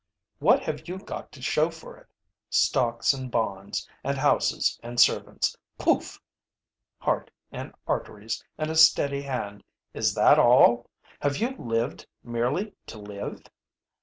What have you got to show for it? Stocks and bonds, and houses and servants pouf! Heart and arteries and a steady hand is that all? Have you lived merely to live?